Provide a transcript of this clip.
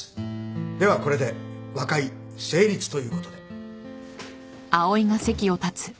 ではこれで和解成立ということで。